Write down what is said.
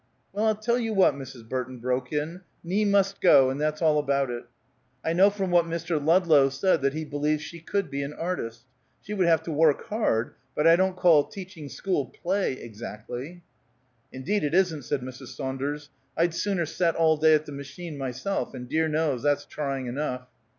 "Well, I'll tell you what," Mrs. Burton broke in, "Nie must go, and that's all about it. I know from what Mr. Ludlow said that he believes she could be an artist. She would have to work hard, but I don't call teaching school play, exactly." "Indeed it isn't!" said Mrs. Saunders. "I'd sooner set all day at the machine myself, and dear knows that's trying enough!"